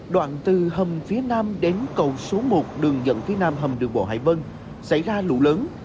đoạn từ hầm phía nam đến cầu số một đường dẫn phía nam hầm đường bộ hải vân xảy ra lũ lớn